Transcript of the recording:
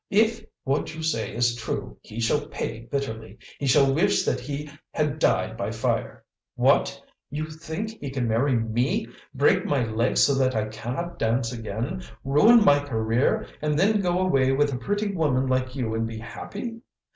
If what you say is true, he shall pay bitterly! He shall wish that he had died by fire! What! You think he can marry ME, break my leg so that I cannot dance again, ruin my career, and then go away with a pretty woman like you and be happy?